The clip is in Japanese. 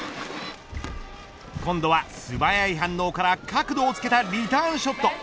今度は素早い反応から角度をつけたリターンショット。